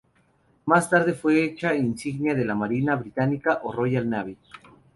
Más tarde fue hecha insignia de la marina británica, o Royal Navy.